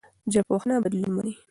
ژبپوهنه بدلون مني.